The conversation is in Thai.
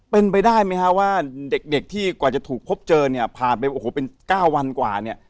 เป็นไปได้ไหมฮะว่าเด็กที่กว่าจะถูกพบเจอเนี่ยผ่านไปโอ้โหเป็น๙วันกว่าเนี่ย